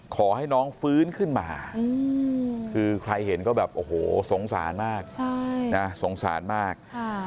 ขอให้น้องฟื้นขึ้นมาคือใครเห็นก็แบบโอ้โหสงสารมากสงสารมาก